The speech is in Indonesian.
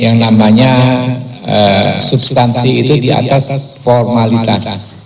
yang namanya sustansi itu diatas formalitas